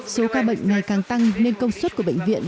số ca bệnh ngày càng tăng nên công suất của bệnh viện